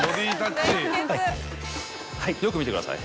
よく見てください。